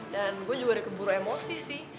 dan gue juga udah keburu emosi sih